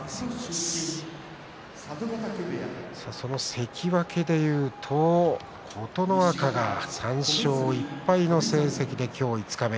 関脇でいうと琴ノ若が３勝１敗の成績で、今日五日目。